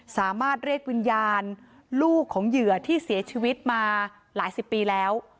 สามารถเรียกวิญญาณลูกของเหยื่อที่เสียชีวิตมาหลายสิบปีแล้ว